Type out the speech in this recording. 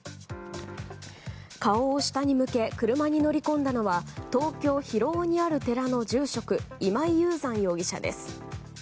顔を下に向け車に乗り込んだのは東京・広尾にある寺の住職今井雄山容疑者です。